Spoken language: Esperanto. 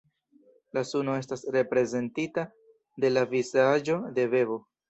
La suno estas reprezentita de la vizaĝo de bebo.